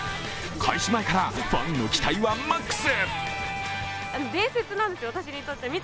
開始前からファンの期待はマックス。